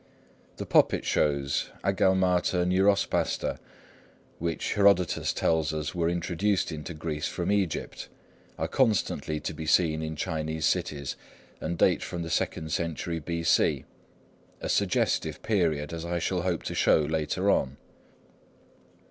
The puppet shows, ἀγάλματα νευρόσπαστα, which Herodotus tells us were introduced into Greece from Egypt, are constantly to be seen in Chinese cities, and date from the second century B.C.,—a suggestive period, as I shall hope to show later on.